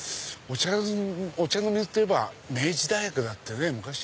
御茶ノ水といえば明治大学だったね。